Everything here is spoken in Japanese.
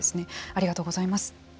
ありがとうございます。